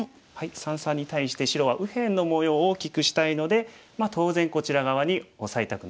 三々に対して白は右辺の模様を大きくしたいので当然こちら側にオサえたくなりますね。